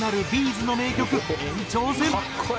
’ｚの名曲延長戦。